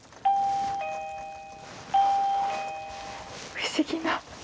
不思議な。